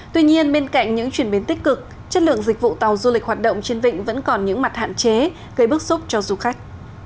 tuy nhiên bên cạnh những chuyển biến tích cực chất lượng dịch vụ tàu du lịch hoạt động trên vịnh vẫn còn những mặt hạn chế gây bức xúc cho du khách